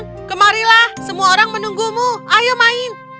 ayo kemarilah semua orang menunggumu ayo main